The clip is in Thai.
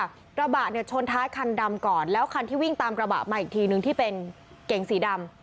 กระบะเนี่ยชนท้ายคันดำก่อนแล้วคันที่วิ่งตามกระบะมาอีกทีนึงที่เป็นเก๋งสีดำ